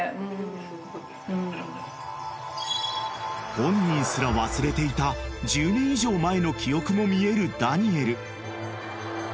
［本人すら忘れていた１０年以上前の記憶も見えるダニエル］